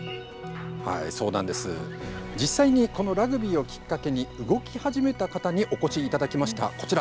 実際にこのラグビーをきっかけに動き始めた方にお越しいただきました。